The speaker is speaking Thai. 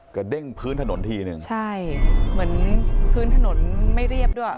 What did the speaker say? กระเด้งพื้นถนนทีนึงใช่เหมือนพื้นถนนไม่เรียบด้วยอ่ะอ่า